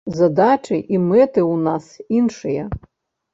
Задачы і мэты ў нас іншыя.